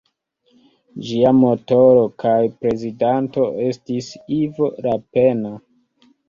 Ĝia motoro kaj prezidanto estis Ivo Lapenna.